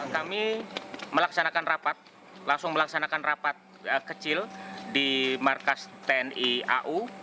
kami melaksanakan rapat langsung melaksanakan rapat kecil di markas tni au